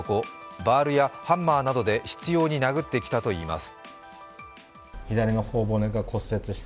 バールやハンマーなどで執ように殴ってきたといいます。